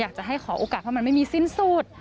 อยากจะให้ขอโอกาสเพราะมันไม่มีสิ้นสุด